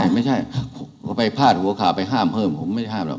ไม่ใช่เขาไปพาดหัวข่าวไปห้ามเพิ่มผมไม่ได้ห้ามหรอก